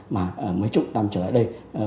mà mới trụng đam trở lại đây